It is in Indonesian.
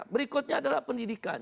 berikutnya adalah pendidikan